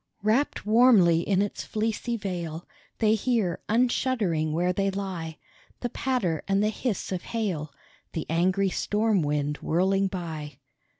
Wrapped warmly in its fleecy veil They hear, unshuddering where they lie, The patter and the hiss of hail, The angry storm wind whirling by.